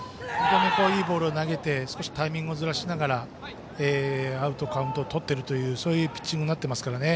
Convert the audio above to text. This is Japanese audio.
いいボールを投げて少しタイミングをずらしながらアウトをとっていくというピッチングになっています。